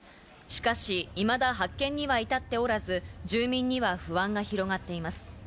しかし、いまだ発見には至っておらず、住民には不安が広がっています。